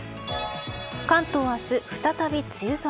関東は明日、再び梅雨空。